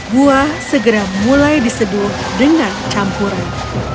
buah segera mulai diseduh dengan campuran